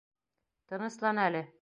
— Тыныслан әле.